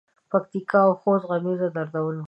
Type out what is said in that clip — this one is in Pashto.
پکتیکا او خوست غمیزه دردوونکې ده.